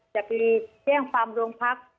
แจกลีแจ้งฟาร์มโรงพัก